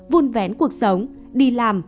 vun vén cuộc sống đi làm